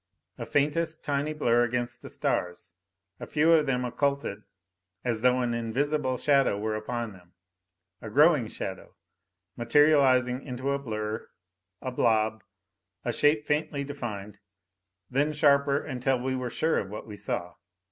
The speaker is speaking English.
A faintest, tiny blur against the stars, a few of them occulted as though an invisible shadow were upon them. A growing shadow, materializing into a blur a blob, a shape faintly defined. Then sharper until we were sure of what we saw.